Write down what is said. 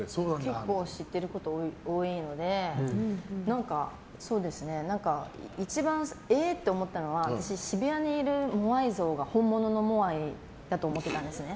結構知ってること多いので何か、一番えーって思ったのは私、渋谷にいるモヤイ像が本物のモアイだと思ってたんですね。